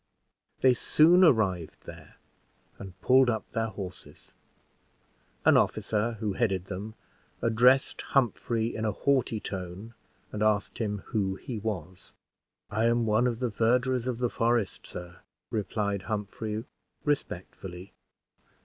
They soon arrived there, and pulled up their horses. An officer who headed them addressed Humphrey in a haughty tone, and asked him who he was. "I am one of the verderers of the forest, sir," replied Humphrey, respectfully.